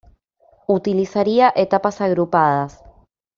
Utilizaría etapas agrupadas.